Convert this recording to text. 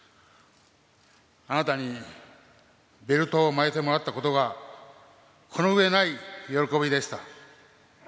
あなたにベルトを巻いてもらったことが、この上ない喜びでした。